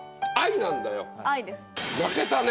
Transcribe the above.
泣けたね。